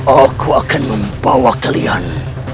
aku akan membawa kalian